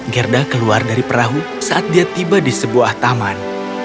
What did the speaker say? gerda keluar dari perahu saat dia tiba di sebuah taman